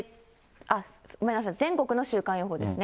ごめんなさい、全国の週間予報ですね。